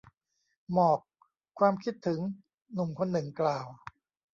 หมอก ความคิดถึง หนุ่มคนหนึ่งกล่าว